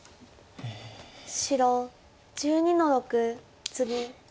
白１２の六ツギ。